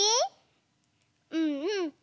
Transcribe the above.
うんうん。